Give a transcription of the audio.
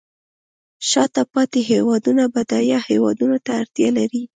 شاته پاتې هیوادونه بډایه هیوادونو ته اړتیا لري